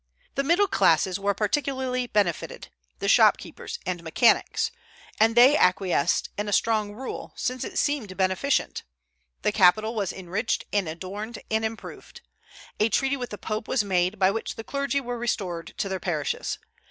The middle classes were particularly benefited, the shopkeepers and mechanics, and they acquiesced in a strong rule, since it seemed beneficent. The capital was enriched and adorned and improved. A treaty with the Pope was made, by which the clergy were restored to their parishes.